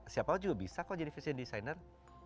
siapa pun juga bisa kok jadi fashion designer